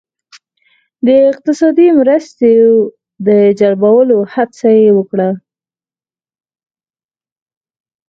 د اقتصادي مرستو د جلبولو هڅه یې وکړه.